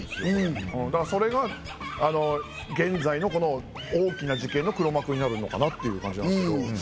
それが現在の大きな事件の黒幕になるのかなって感じですけど。